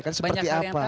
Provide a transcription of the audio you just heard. kan seperti apa